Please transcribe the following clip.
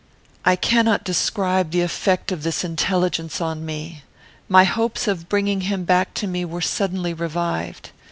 "I cannot describe the effect of this intelligence on me. My hopes of bringing him back to me were suddenly revived.